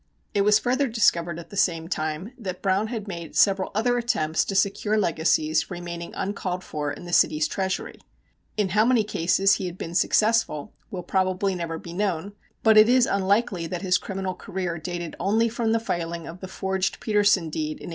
It was further discovered at the same time that Browne had made several other attempts to secure legacies remaining uncalled for in the city's treasury. In how many cases he had been successful will probably never be known, but it is unlikely that his criminal career dated only from the filing of the forged Petersen deed in 1896.